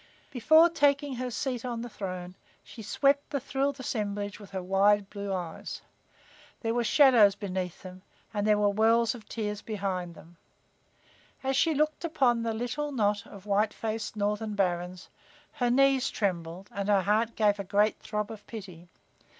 Before taking her seat on the throne, she swept the thrilled assemblage with her wide blue eyes. There were shadows beneath them and there were wells of tears behind them. As she looked upon the little knot of white faced northern barons, her knees trembled and her heart gave a great throb of pity.